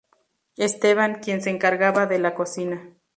Esteban, quien se encargaba de la cocina.